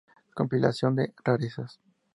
Compilación de rarezas.